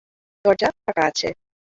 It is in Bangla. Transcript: দরজা ফাঁকা আছে।